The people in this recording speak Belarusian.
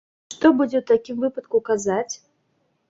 Што будзе ў такім выпадку казаць?